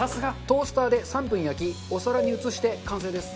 トースターで３分焼きお皿に移して完成です。